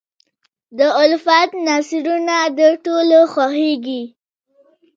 د الفت نثرونه د ټولو خوښېږي.